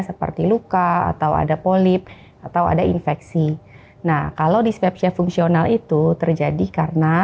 seperti luka atau ada polip atau ada infeksi nah kalau dispepsia fungsional itu terjadi karena